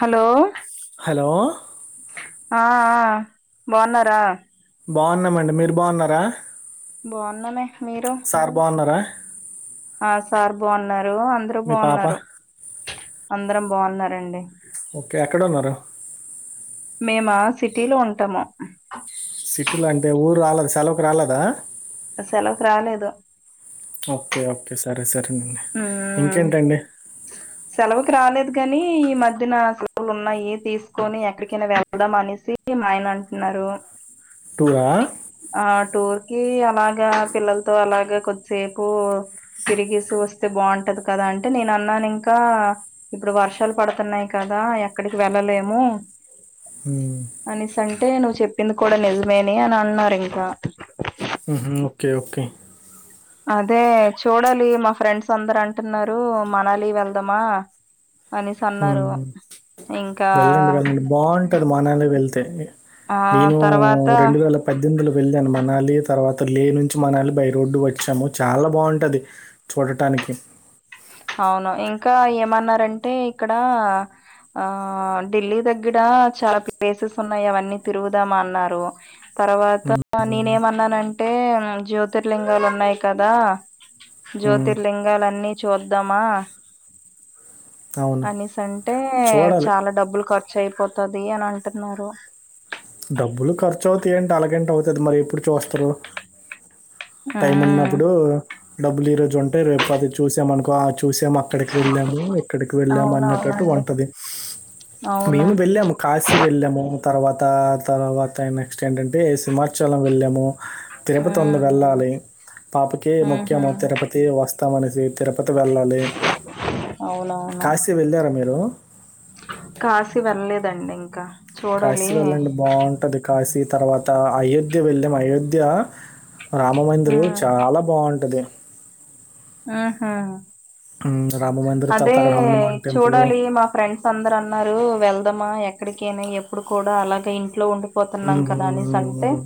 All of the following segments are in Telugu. హలో హలో ఆ ఆ బాగున్నారా బాగున్నామండి మీరు బాగున్నారా బాగున్నామే మీరు సార్ బాగున్నారా ఆ సార్ బాగున్నారు అందరు మీ పాప బాగున్నారు అందరం బాగున్నారండి కే ఎక్కడున్నారు మేమా సిటీ లో ఉంటాము సిటీలో అంటే ఊరు రాలేద్ సెలవుకు రాలేదా సెలవుకు రాలేదు ఓకే ఓకే సరే సరేనండి ఉమ్ ఇంకేంటండి సెలవుకి రాలేదు కాని ఈ మధ్యన సెలవులు ఉన్నాయి తీసుకొని ఎక్కడికైనా వేల్ ధాం అనేసి మా ఆయన అంటున్నారు టూరా ఆ టూర్ కి అలాగా పిల్లలతో అలాగా కొద్దిసేపు తిరిగేసి వస్తే బాగుంటది కదా అంటే నేను అన్నాను ఇంకా ఇప్పుడు వర్షాలు పడుతున్నాయి కదా ఎక్కడికి వెళ్ళలేము హ్ అనేసంటే నువ్వు చెప్పింది కూడా నిజమేనే అని అన్నారు ఇంకా ఉహు ఓకే ఓకే అదే చూడాలి మా ఫ్రెండ్స్ అందరు అంటున్నారు మనాలి వెళ్దామా అనేసన్నారు ఉమ్, వెళ్ళండి వెళ్ళండి బాగుంటది మానాలీ వెళ్తే ఆ నేను తర్వాత రెండు వేల పెద్దెనిందులు వెళ్ళాను మనళి తర్వాత లే నుంచి మనాలి బై రోడ్డు వచ్చాము చాలా బాగుంటది చూడటానికి అవును ఇంకా ఏమన్నారంటే ఇక్కడ ఆ ఢిల్లీ దగ్గర చాలా ప్లేసెస్ ఉన్నాయి అవన్నీ తిరుగుదామా అన్నారు తర్వాత ఉమ్, నేనేమన్నానంటే జ్యోతిర్లింగాలు ఉన్నాయి కదా ఉమ్, జ్యోతిర్లింగాలన్నీ చూద్దామా అవును అనేసి అంటే చూడాలి చాలా డబ్బులు ఖర్చు అయిపోతది అని అంటున్నారు డబ్బులు ఖర్చు అవుతాయి అంటే అలాగంటే అవుతది మరి ఎప్పుడు చూస్తారు టైమ్ హ్మ్. ఉన్నప్పుడు డబ్బులు ఈ రోజు ఉంటే రేపు అది చూసాం అనుకో చూసాంక్క అక్కడికి వెళ్ళాము ఇక్కడికి వెళ్ళాము అన్నట్టు అవునవునండి. ఉంటది అవును. మేము వెళ్ళాము కాశీ వెళ్ళాము తర్వాత తర్వాత నెక్స్ట్ ఏంటంటే హిమాచలం వెళ్ళాము తిరుపతి ఉంది హ్మ్. హ్మ్. వెళ్ళాలి పాపకే హుహు. ముఖ్యము తిరుపతి తీ వస్తామనేసి తిరుపతి వెళ్ళాలి అవును అవును కాశీ వెళ్ళారా మీరు కాశీ వెళ్లలేదండి ఇంకా కాశీ చూడాలి. వెళ్ళండి బాగుంటది కాశీ తర్వాత అయోధ్య వెళ్ళాం అయోధ్య రామమందిరం హ్మ్. చాలా బాగుంటది ఆహా ఊ రా అదే చూడాలి మా ఫ్రెండ్స్ అందరు అన్నారు వెళ్దామా ఎక్కడికేనా ఎప్పుడు కూడా అలాగ ఇంట్లో ఉం పోతున్నాం హ్మ్. కదా అనేసి అంటే హ్మ్.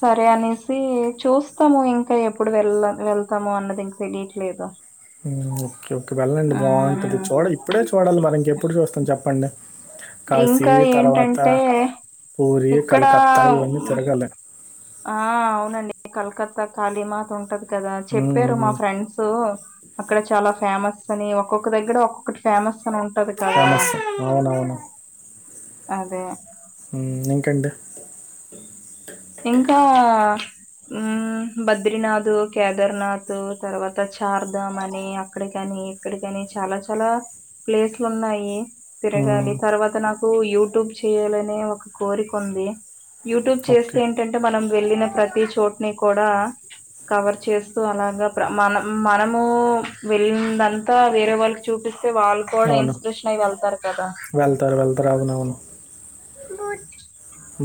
సరే అనేసి చూస్తాము ఇంకా ఎప్పుడు వెళ్ల వెళ్తాము అన్నది ఇంక తెలియట్లేదు ఓకే ఓకే వెళ్ళండి ఆ బాగుంటుది చూడ ఇప్పుడే చూడాలి మరి ఇంకెప్పుడు చూస్తాం చెప్పండి కాశీ ఇంకా తర్వాత ఏంటంటే పూరి ఇక్కడ కలకత్తా ఇవన్నీ ఉమ్, తిరగల ఆ అవునండి కల్కత్తా కాళీమాత ఉంటది కదా హ్మ్. చెప్పారు మా హ్మ్. ఫ్రెండ్స్ అక్కడ చాలా ఫేమస్ అని ఒక్కొక్క దగ్గర ఒక్కొక్కటి ఫేమస్ అని ఉంటది కదా ఫేమస్. అవునవును అదే ఇంకేంటి ఇంకా బద్రీినాథ్ కేదార్నాథ్ తర్వాత చార్ధాం అని అక్కడికని అక్కడి కాని చాలా చాలా ప్లేస్లు ఉన్నాయి హ్మ్. తిరగాలి తర్వాత నాకు యూట్యూబ్ చేయాలనే ఒక కోరిక ఉంది యూట్యూబ్ చేస్తే ఓకే. ఏంటంటే మనం వెళ్ళిన ప్రతి చోటుని కూడా కవర్ చేస్తూ అలాగా మనం మనము వెళ్ళందంతా వేరే వాళ్ళకి చూపిస్తే వాళ్ళు కూడా అవును. ఇన్స్పిరేషన్ అయి వెళ్తారు కదా వెళ్తారు వెళ్తారు అవునవును మట్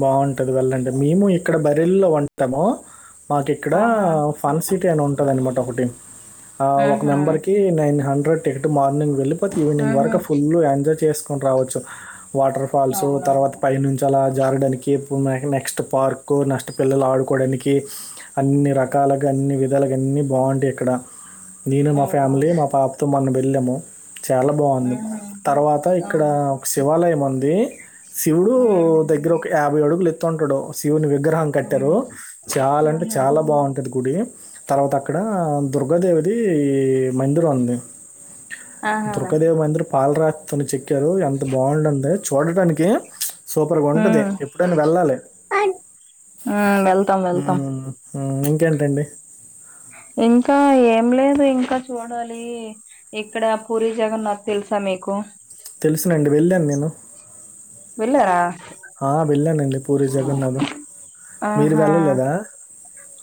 బాగుంటది వెళ్ళండి మేము ఇక్కడ బరెల్లో ఉంటాము మాకు ఇక్కడ ఆహా ఫన్ సిటీ అని ఉంటుందనమాట ఒకటి ఆ ఒక మ్హూ మెంబర్కిి నైన్ హండ్రెడ్ టికెట్ మార్నింగ్ వెళ్లిిపోతే ఈవినింగ్ మ్హూ వరకు ఫుల్ ఎంజాయ్ చేసుకుొని రావచ్చు వాటర్ ఫాల్స్ అవునవును తర్వాత పై నుంచి అలా జారడానికి నెక్స్ట్ పార్కు నెక్స్ట్ పిల్లలు ఆడుకోవడానికి అన్ని రకాలుగా అన్ని విధాలుగా అన్నిీ బాగుంటాయి ఇక్కడ నేను మా ఫ్యామిలీ అవునవును మా పాపతో మోన్న వెళ్ళాము చాలా బాగుంది ఆహా తర్వాత ఇక్కడ అవును ఒక శివాలయం ఉంది శివుడు దగ్గర ఒక యాభై అడుగులు ఎత్తుంటాడు శివుని విగ్రహం ఉమ్ కట్టారు ఉమ్ చాలా అంటే ఆహా చాలా బాగుంటది గుడి తర్వాత అక్కడ దుర్గాదేవిది మందిర్ ఉంది ఆహా దుర్గాదేవి మందిర్ పాలరాకుతోని చెక్కారు ఎంత బాగుడుంది చూడటానికి సూపర్ గా ఉంటది ఉమ్ ఎప్పుడైనా వెళ్ళాలి ఉమ్ వెళ్తాం వెళ్తాం ఇంకేంటండి ఇంకా ఏం లేదు ఇంకా చూడాలి ఇక్కడ పూరి జగన్నాథ్ తెలుసా మీకు తెలిసునండి వెళ్ళాను నేను వెళ్ళారా ఆ వెళ్ళనండి పూరి జగన్నాథం మీరు ఆహా వెళ్ళలేదా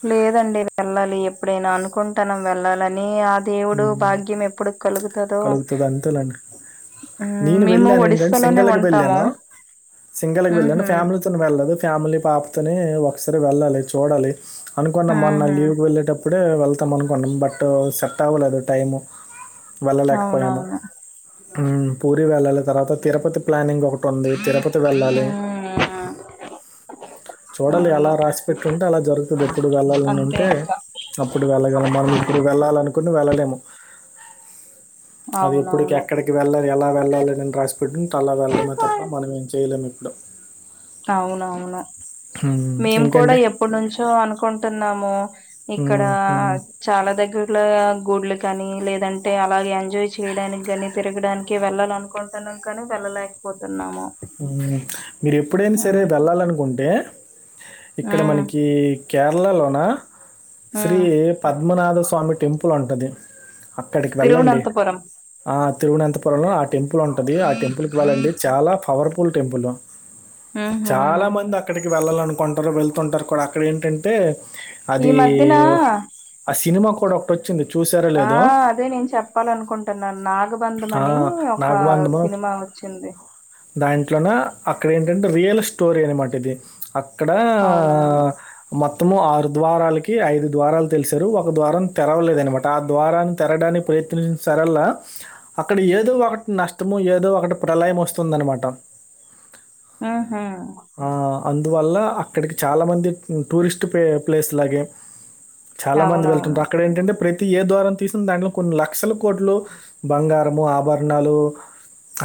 లేదండి వెళ్ళాలి ఎప్పుడైనా అనుకుంటాన్నాం వెళ్ళాలని ఆ దేవుడు ఉమ్, భాగ్యం ఎప్పుడు కలుగుతదో కలుగుతుంది అంతేనండి ఉమ్ నేను మేము వెళ్ళాను ఏంటంటే ఒడిస్సాలోనే సింగల్కి ఉంటాము వెళ్ళాను సింగల్కి వెళ్ళాను ఉహు ఫ్యామిలీ వెళ్ళలేదు ఫ్యామిలీ పాపతోని ఒకసారి వెళ్ళాలి చూడాలి. అనుకున్నాం మొన్న ఉహు లీవ్కి వెళ్ళేటప్పుడే వెళ్తాం అనుకున్నాం బట్ సెట్ అవ్వలేదు టైము వెళ్ళలేకపోయాము అవునవును పూరి వెళ్ళాల తర్వాత తిరుపతి ప్లానింగ్ ఉంది తిరుపతి వెళ్ళాలి ఆ చూడాలి ఎలా రాసి పెట్టి ఉంటే అలా జరుగుతుంది ఎప్పుడు వెళ్ళాలని అంతే ఉంటే ఇంకా అప్పుడు వెళ్ళగలం మనం ఇప్పుడు వెళ్ళాలినుకుని వెళ్ళలేము అది ఎప్పటికి అవునవును ఎక్కడికి వెళ్ళాలి ఎలా వెళ్ళాలి అని రాసి పెట్టుంటే అలా వెళ్ళడమే తప్ప మనం ఏం చేయలేము ఇప్పుడు అవునవును ఉమ్, మేము కూడా ఇంకండి ఎప్పటి నుంచో అనుకుంటున్నాము ఇక్కడా ఉమ్, ఉమ్. చాలా దగ్గరలో గుడుల కానీ లేదంటే అలా ఎంజాయ్ చేయడానికి కాని తిరగడానికి వెళ్ళాలను కొంటన్నాం కాని వెళ్ళలేకపోతున్నాము మీరు ఎప్పుడైనా సరే ఉమ్ వెళ్ళాలనుకుంటే ఇక్కడ ఉమ్ మనకి కేరళలోన శ్రీ ఉమ్. పద్మనాథ స్వామి టెంపుల్ ఉంటది అక్కడికి వెళ్ళండి తిరువనంతపురం ఆ తిరువనంత పురంలో ఆ టెంపుల్ ఉంటుంది ఆ టెంపుల్కి వెళ్ళండి చాలా పవర్ఫుల్ టెంపుల్ ఉహు చాలా మంది అక్కడికి వెళ్ళాలనుకుంటారు వెళ్తుంటారు కూడా అక్కడ ఏంటంటే ఈ అది మధ్యన ఆ సినిమా కూడా ఒకటి వచ్చింది చూసారా ఆ లేదో అదే నేను చెప్పాలనుకుంటున్నా నాగబంధం ఆ, అని ఒక సినిమా వచ్చింది దాంట్లోనే అక్కడ ఏంటంటే రియల్ స్టోరీ అనమాట ఇది అక్కడ అవునవును మొత్తము ఆరు ద్వారాలకి ఐదు ద్వారాలు తెలిసారు ఒక ద్వారం తెరవలేదనమాట ఆ ద్వారాన్ని తెరడానికి ప్రయత్నించిన సరల్లా అక్కడ ఏదో ఒకటి నష్టము ఏదో ఒకటి ప్రలయం వస్తుందన్నమాట ఆహా అందువల్ల అక్కడికి చాలామంది టూరిస్ట్ ప్ ప్లేస్లాగే చాలా మంది అవునవును వెళ్తుంటారు అక్కడ ఏంటంటే ప్రతి ఏ ద్వారం తీసిన దాంట్లో కొన్ని లక్షల కోట్లు బంగారము ఆభరణాలు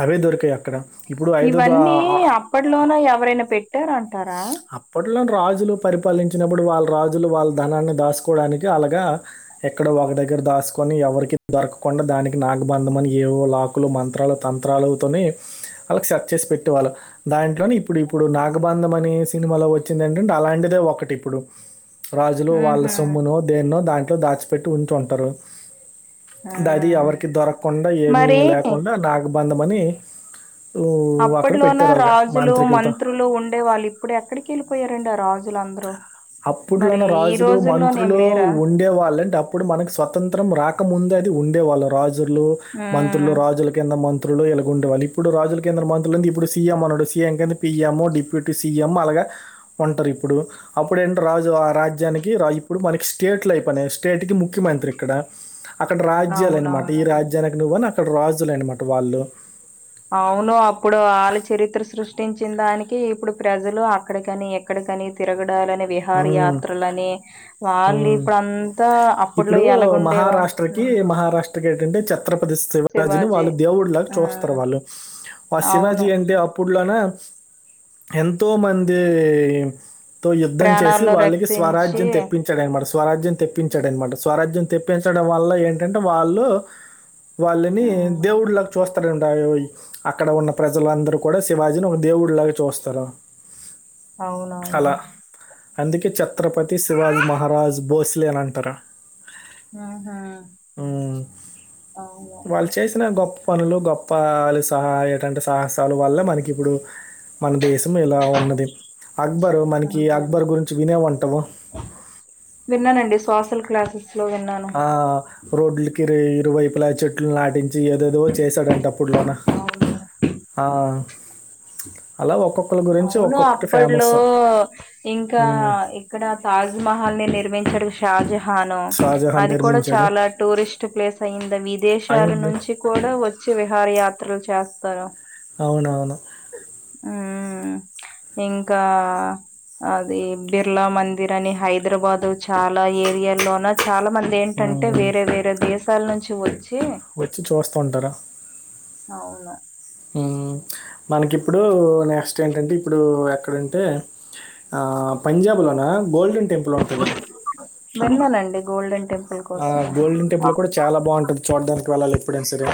అవే దొరికాయి అక్కడ ఇప్పుడు ఐదోద ఇవన్నీ అప్పట్లోన ఎవరైనా పెట్టారంటారా అప్పట్లో రాజులు పరిపాలించినప్పుడు వాళ్ళ రాజులు వాళ్ళ ధనాన్ని దాచుకోవడానికి అలాగా ఎక్కడో ఒక దగ్గర దాసుకొని ఎవరికి దొరకకుండా దాని నాగా బంధం అని ఏవో లాకులు మంత్రాలు తంత్రాలుతోని వాళ్ళకి సర్చ్ చేసి పెట్టే వాళ్ళు దాంట్లోనే ఇప్పుడు ఇప్పుడు నాగబంధం అనే సినిమాలో వచ్చింది ఏంటంటే అలాంటిదే ఒకటి ఇప్పుడు రాజులు వాళ్ళ ఆహా సొమ్మునో దేన్నో దాంట్లో దాచి పెట్టి ఉంచుంటారు ఆ అది ఎవరికి దొరకకుండా ఏమీ మరి లే కుండా నాగబంధం అని ఊ, అక్కడ అప్పట్లోనా పెట్టారు అలాగా రాజులు మాంత్రికులతో మంత్రులు ఉండే వాళ్ళు ఇప్పుడు ఎక్కడికి ఎళ్ళిపోయారండి ఆ రాజుల అందరూ మరి అప్పుట్లోన్న ఈ రాజులు రోజుల్లోనేం మంత్రులు లేరా ఉండే వాళ్లంటే అప్పుడు మనకి స్వతంత్రం రాకముందు ఉండే వాళ్ళు రాజులు మంత్రులు ఉమ్ రాజుల కింద మంత్రులు ఇలాగా ఉండేవాళ్లు ఇప్పుడు రాజుల కిందన మంత్రులంటే ఇప్పుడు సీఎం అన్నాడు సీఎం కింద పిఎం డిపి టి సీఎం అలాగా ఉంటారు ఇప్పుడు అప్పుడంటే రాజు ఆ రాజ్యానికి రా ఇప్పుడు మనకి స్టేట్లు అయిపోయినాయి స్టేట్‌కి ముఖ్యమంత్రి ఇక్కడ అక్కడ రాజ్యాలు అనమాట అవునవును ఈ రాజ్యానికి నువ్వు అని అక్కడ రాజులు అనమాట వాళ్ళు అవును అప్పుడు వాళ్ళ చరిత్ర సృష్టించిన దానికి ఇప్పుడు ప్రజలు అక్కడికని ఎ క్కడికని తిరగడాలని విహార ఉమ్, యాత్రలని వాళ్ళు ఉమ్. ఇప్పుడంతా అప్పట్లో ఇప్పుడు ఎలాగ ఉండేవారు ఉమ్మ్ తే కేకుంటే చ త్రపతి శివాజీని వాళ్ళు దేవుడు లాగా ఆ చూస్తారు వాళ్ళు ఆ అవును శివాజీ ఏంటి అ ప్పుడు లోన ఎంతో మంది తో యుద్ధం చేసి ప్రాణాలను వాళ్ళకి రక్షించి స్వరాజ్యం తె ప్పిండనమాట స్వరాజ్యం తెప్పించాడనమాట స్వరాజ్యం తెప్పించడం వల్ల ఏంటంటే వాళ్ళు వాళ్ళని మ్మ్ దేవుడిల్గా చూస్తడంట అక్కడ ఉన్న ప్రజలందరూ కూడా శివాజీని ఒక దేవుడిలాగా చూస్తారు అవునవును అలా అందుకే ఛత్రపతి శివాజ్ మహారాజ్ బోస్లే అని అంటారా మ్మ్ ఉమ్మ్ అవును వాళ్ళు చేసిన గొప్ పనులు గొప్ప సహా ఎటంటే సాహసాలు వల్ల మనకి ఇప్పుడు మన దేశం ఇలా ఉన్నది అక్బరు మనకి అంతే అక్బర్ గురించి వినే వుంటావు విన్నానండి సోషల్ క్లాసెస్‌లో విన్నాను ఆ రోడ్లకి ఇరు ఇరువైపులా చె ట్లు నాటించి ఏదేదో చేశాడంటా అప్పట్లోన అవును ఆ అలా ఒక్కొక్కరి గురించి అవును ఒక్కొక్కటి అప్పట్లో ఫేమస్ ఇంకా ఉమ్, ఎ క్కడ తాజ్మహల్ నిర్మించాడు షాజహాను షాజహాన్ అది కూడా నిర్మించాడు చాలా టూరిస్ట్ ప్లేస్ అయ్యింది విదేశాల అయింది నుంచి కూడా వచ్చి విహార యాత్రలు చేస్తారు అవునవును ఉమ్మ్ ఇంకా అది బిర్లా మందిర్ అని హైదరాబాదు చాలా ఏరియాల్లోన చాలా మంది ఏంటంటే ఉమ్. వేరే వేరే దేశాల నుంచి వచ్చి వచ్చి చూస్తా ఉంటారా అవును ఉమ్మ్ మనకిప్పుడు నెక్స్ట్ ఏంటంటే ఇప్పుడు ఎక్కడంటే ఆ పంజాబ్ లోనా గోల్డన్ టెంపుల్ ఉంటది మెలోన్ అండి గోల్డెన్ టెంపుల్ ఆ కోసము గోల్డెన్ టెంపుల్ కూడా చాలా బాగుంటది చూడానికి వెళ్ళాలి ఎప్పుడైనా సరే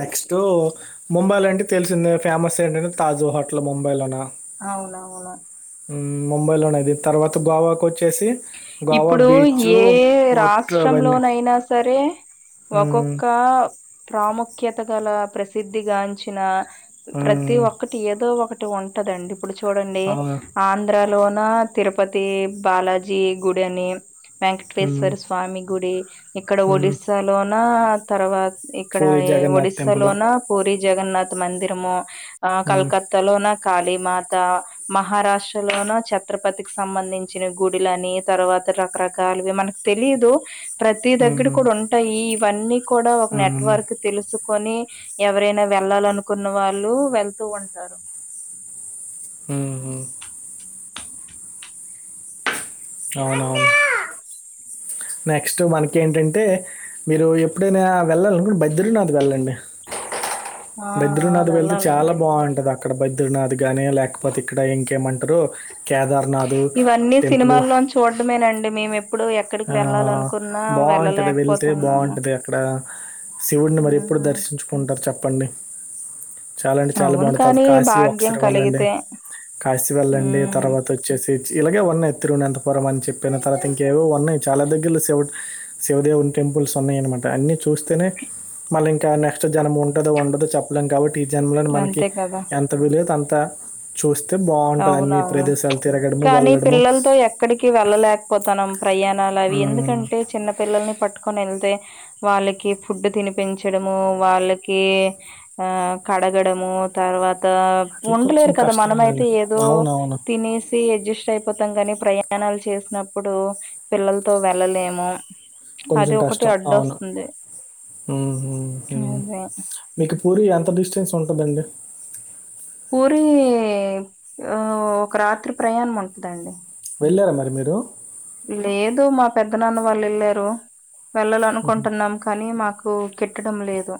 నెక్స్ట్ ముంబైలో అంటే తెలిసిందే ఫేమస్ ఏంటంటే తాజ్ హోటల్ ముంబైలోనా అవునవును ఉమ్ ముంబైలో ఇది తర్వాత గోవాకు వచ్చేసి గోవా ఇప్పుడు బీచ్ ఏ రా పోర్ట్ అవన్నీ ష్ట్రంలోనయినా సరే మ్మ్, ఒక్కొక్క ప్రాముఖ్యత గల ప్రసిద్ధిగాంచిన ప్రతీ మ్మ్, ఒక్కటి ఏదో ఒకటి ఉం టదండి ఇప్పుడు చూడండి అవును ఆంధ్రా లోన తిరుపతి బాలాజీ గుడి అని మ్మ్, వెంకటేశ్వర స్వామి గుడి ఇక్కడ మ్మ్. ఒడిస్సా లోనా తర్వాత ఇక్కడ పూరి జగన్నాథ్ ఒడిస్సా టెంపుల్ లోనా పూరి జగన్నాథ్ మందిరము ఆ మ్మ్, కల్కత్తా లోన కాళీమాత మహారాష్ట్ర లోన ఛత్రపతికి సంబంధించిన గుడిలని తర్వాత రకరకాలు గా మనకు తెలీదు ప్రతీ దగ్గర మ్మ్, కూడా ఉంటాయి ఇవన్నీ కూడా ఒక మ్మ్. నెట్వర్క్ తెలుసుకొని ఎవరైనా వెళ్ళాలనుకున్న వాళ్ళు వెళ్తూ ఉంటారు ఊ ఊ అవునవును నెక్స్ట్ మనకి ఏంటంటే మీరు ఎప్పుడైనా వెళ్ళాలనుకుంటే బద్రీనాథ్ వెళ్ళండి ఆ ఆ బద్రీనాథ్ వెళ్తే చాలా వెళ్ళాలండి బావుంటాది అ అక్కడ బద్రనాథ్ గానీ లేకపోతే ఇక్కడ ఇంకేమంటారు కేదార్నాథ్ టెంపులు చూడ్డమేనండి మేమెప్ ఆ బావుంటది వెళ్తే వెళ్ళలేకపోతున్నాము బావుంటది అక్కడ శివుడిని మరి ఎప్పుడు మ్మ్ దర్శించుకుంటారు చెప్పండి చాలా అంటే చాలా అవును బావుంటంది కానీ కాశీ భాగ్యం ఒకసారి వెళ్ళండి కలిగితే కాశీ వెళ్ళండి తర్వాత మ్మ్ చ్చేసే ఇలాగే ఉన్నాయి తిరువనంతపురం అని చెప్పిన తర్వాత ఇంకేవో ఉన్నాయి చాలా దగ్గరలో శివు శివ దేవుని టెంపుల్స్ ఉన్నాయనమాట అన్నీ చూస్తేనే మళ్ళీ ఇంకా నెక్స్ట్ జనం ఉంటదో ఉండదో చెప్పలేం కాబట్ టీ జన్మ లో నే మనకి అంతే కదా ఎంత వీలైతే అంత చూస్తే బావుంటది అన్నీ అవునవును ప్రదేశాలు తిరగడము వెళ్లడము క్కడికీ వెళ్ళలేకపోతన్నాం ప్రయాణాలు అవి ఉమ్, ఎందుకంటే చిన్న పిల్లల్ని పట్టుకొని ఎళ్తే వాళ్ళకి ఫుడ్ తినిపించడము వాళ్ళకి ఆ కడగడము తర్వాత అది కొంచెం ఉండలేరు కదా మనమై తే కష్టమేనండి ఏదో అవునవును తినేసి తి అడ్జస్ట్ అయిపోతాం కానీ ప్రయాణాలు చేసినప్పుడు పిల్లలతో వెళ్ళలేము అది ఒకటి అడ్డొస్తుంది ఊహు హూ అదే మీకు పూరి ఎంత డిస్టెన్స్ ఉంటదండి పూరి ఆ ఒక రాత్రి ప్రయాణం ఉంటదండి వెళ్ళారా మరి మీరు లేదు మా పెద్ద నాన్న వాళ్ళు ఎళ్ళారు వెళ్ళాలనుకుంటున్నాం కానీ మాకు కు కిట్టడం లేదు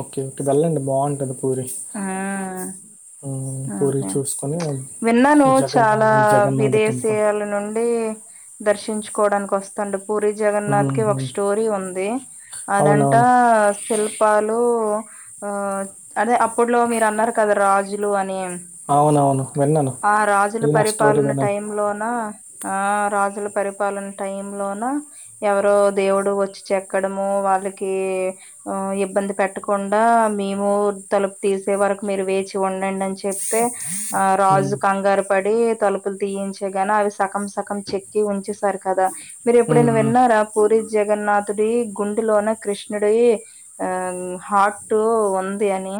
ఓకే అటు వెల్లండి బావుంటంది పూరి హ్మ్. పూరి అహా చూసుకొని విన్నాను జగన్నాథ చాలా జగన్నాథ టెంపుల్. విదేశీయాల నుండి దర్శించుకోవడానికొస్ తండ పూరి జగన్నాథ్ హ్మ్. కి ఒక హ్మ్. స్టోరీ ఉంది అదంటా అవునవును. శిల్పాలు ఆ అదే అప్పట్లో మీరు అన్నారు కదా రాజులు అని అవునవును. విన్నాను. ఆ రాజుల నేను ఆ స్టోరీ పరిపాలన విన్నాను. టైం లోన ఆ రాజుల పరిపాలన టైం లోన ఎవరో దేవుడు వచ్చి చెక్కడము వాళ్ళకి ఆ ఇబ్బంది పెట్టకుండా మేము తలుపు తీసే వరకు మీరు వేచి ఉండండి అని చె తే ఆ హ్మ్. రాజు కంగారు పడి తలుపులు తీయించే గానే అవి సకం సకం చెక్ కి ఉంచేసార్ కదా మీరు హ్మ్. ఎప్పుడైనా హ్మ్. విన్నారా పూరి జగన్నాథుడి గుండెలోన కృష్ణుడి ఆ హాట్ ఉంది అని